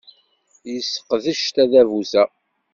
Yesseqdec tadabut-a.